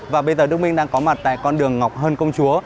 và bây giờ đức minh đang có mặt tại con đường ngọc hân công chúa